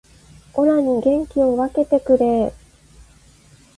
オラに元気を分けてくれー